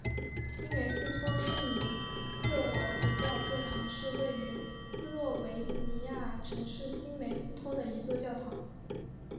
新梅斯托圣尼各老主教座堂是位于斯洛维尼亚城市新梅斯托的一座教堂。